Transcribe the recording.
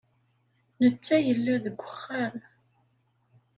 Netta yella deg wexxam.